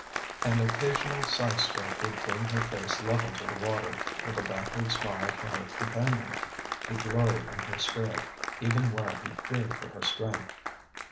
An occasional side stroke would bring her face level to the water, with a backward smile for her companion. He gloried in her spirit, even while he feared for her strength.